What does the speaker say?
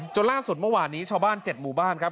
จนล่าสุดเมื่อวานนี้ชาวบ้าน๗หมู่บ้านครับ